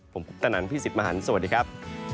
ผมคุณตะนันท์พี่สิทธิ์มหันท์สวัสดีครับ